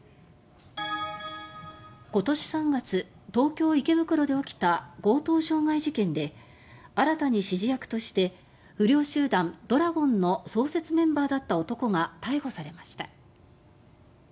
今年３月、東京・池袋で起きた強盗致傷事件で新たに指示役として不良集団「怒羅権」の創設メンバーだった男が逮捕されました。